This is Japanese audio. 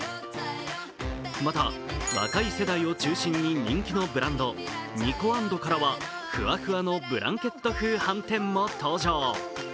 また、若い世代を中心に人気のブランド、ｎｉｋｏａｎｄからはふわふわのブランケット風はんてんも登場。